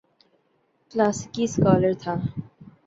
کلاسیکی سکالر تھا۔